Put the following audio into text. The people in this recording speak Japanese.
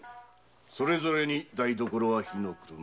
それぞれに台所は火の車